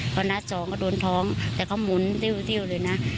พอนัดสองก็โดนท้องแต่เขาหมุนติ้วเลยนะ